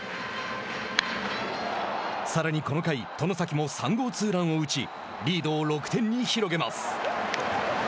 さらにこの回、外崎も３号ツーランを打ちリードを６点に広げます。